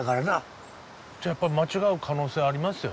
じゃやっぱ間違う可能性ありますよね。